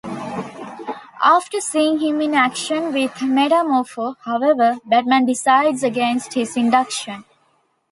After seeing him in action with Metamorpho, however, Batman decides against his induction.